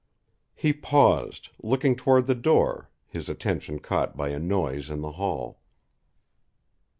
He paused, looking toward the door, his attention caught by a noise in the hall.